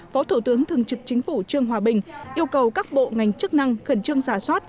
phó thủ tướng thường trực chính phủ trương hòa bình yêu cầu các bộ ngành chức năng khẩn trương giả soát